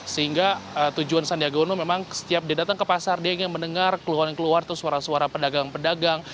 sehingga tujuan sandiaga uno memang setiap dia datang ke pasar dia ingin mendengar keluhan keluar atau suara suara pedagang pedagang